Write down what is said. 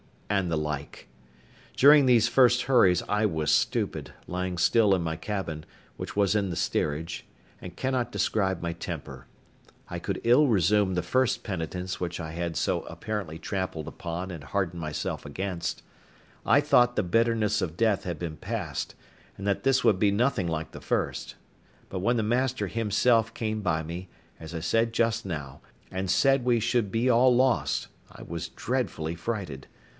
and the like. During these first hurries I was stupid, lying still in my cabin, which was in the steerage, and cannot describe my temper: I could ill resume the first penitence which I had so apparently trampled upon and hardened myself against: I thought the bitterness of death had been past, and that this would be nothing like the first; but when the master himself came by me, as I said just now, and said we should be all lost, I was dreadfully frighted.